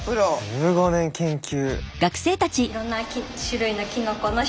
１５年研究。